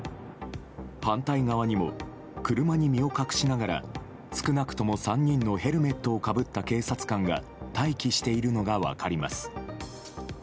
反対側にも車に身を隠しながら少なくとも３人のヘルメットをかぶった警察官が待機しているのが分かります。